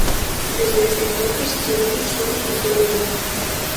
Desde ese entonces, Chidori sueña con servirle.